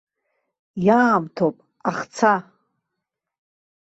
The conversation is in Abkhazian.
Иаамҭоуп, ахца.